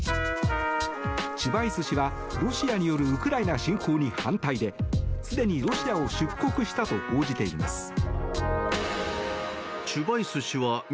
チュバイス氏はロシアによるウクライナ侵攻に反対ですでにロシアを出国したと報じています。